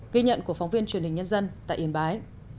ghi nhận của phóng viên truyền hình nhân dân tại yên bái